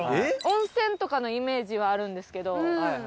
「温泉とかのイメージはあるんですけど」